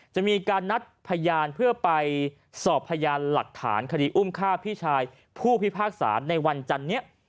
จะมีการนัดพยานเพื่อไปสอบพยานหลักฐานคดีอุ้มฆ่าพี่ชายผู้พิพากษาในวันจันนี้